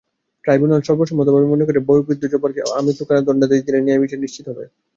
Tribunal সর্বসম্মতভাবে মনে করে, বয়োবৃদ্ধ জব্বারকে আমৃত্যু কারাদণ্ডাদেশ দিলেই ন্যায়বিচার নিশ্চিত হবে।